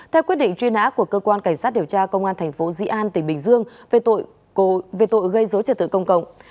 theo quyết định truy nã của cơ quan cảnh sát điều tra công an tp di an tỉnh bình dương về tội gây dối trật tự công cộng